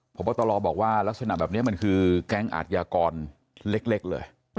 พบตรบอกว่าลักษณะแบบนี้มันคือแก๊งอาทยากรเล็กเลย